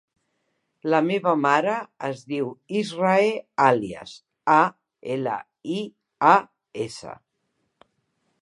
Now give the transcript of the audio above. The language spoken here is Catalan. La meva mare es diu Israe Alias: a, ela, i, a, essa.